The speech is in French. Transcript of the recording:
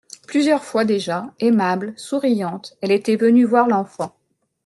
Plusieurs fois déjà, aimable, souriante, elle était venue voir l'enfant.